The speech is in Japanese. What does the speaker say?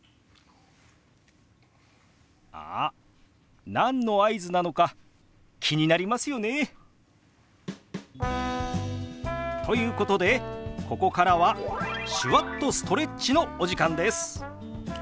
あっ何の合図なのか気になりますよね？ということでここからは手話っとストレッチのお時間です。